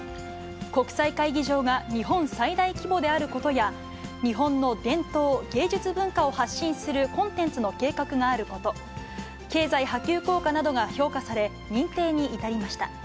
国際会議場が日本最大規模であることや、日本の伝統、芸術文化を発信するコンテンツの計画があること、経済波及効果などが評価され、認定に至りました。